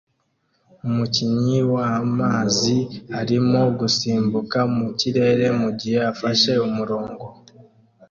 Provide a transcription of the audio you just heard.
Umukinnyi wamazi arimo gusimbuka mu kirere mugihe afashe umurongo